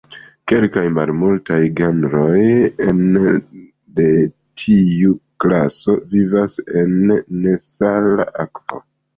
Kelkaj malmultaj genroj ene de tiu klaso vivas en nesala akvo.